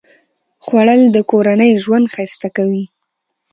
خوړل د کورنۍ ژوند ښایسته کوي